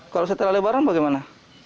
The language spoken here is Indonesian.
kalau setelah lebaran bagaimana